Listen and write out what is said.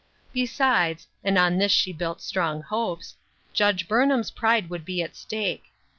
Besides — and on this she built strong hopes —• Judge Burnham's pride would be at stake.